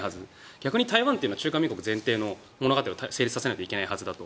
逆に台湾は中華民国が前提だという物語を成立させないといけないはずだと。